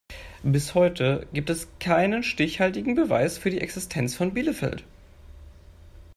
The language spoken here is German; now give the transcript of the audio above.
Bis heute gibt es keinen stichhaltigen Beweis für die Existenz von Bielefeld.